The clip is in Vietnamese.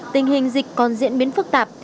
tình hình dịch còn diễn biến phức tạp